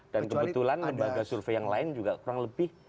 dan kebetulan lembaga survei yang lain juga kurang lebih